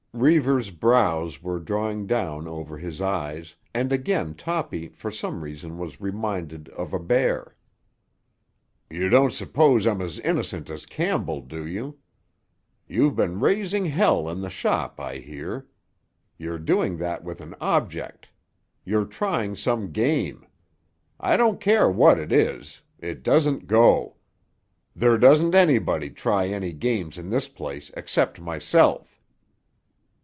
Reivers' brows were drawing down over his eyes, and again Toppy for some reason was reminded of a bear. "You don't suppose I'm as innocent as Campbell, do you? You've been raising —— in the shop, I hear. You're doing that with an object. You're trying some game. I don't care what it is; it doesn't go. There doesn't anybody try any games in this place except myself."